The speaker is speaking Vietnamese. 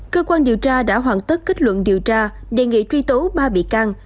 cơ quan điều tra đã hoàn tất kết luận điều tra đề nghị truy tố ba bị can